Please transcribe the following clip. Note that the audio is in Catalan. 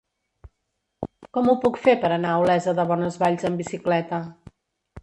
Com ho puc fer per anar a Olesa de Bonesvalls amb bicicleta?